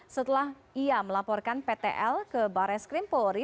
setelah ia melaporkan ptl ke barres krimpori